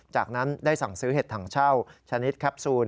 จากนั้นได้สั่งซื้อเห็ดถังเช่าชนิดแคปซูล